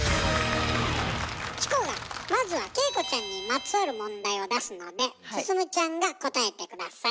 チコがまずは景子ちゃんにまつわる問題を出すので進ちゃんが答えて下さい。